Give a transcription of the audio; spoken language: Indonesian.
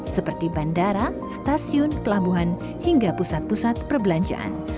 seperti bandara stasiun pelabuhan hingga pusat pusat perbelanjaan